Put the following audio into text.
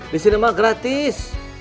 di sini mah gratis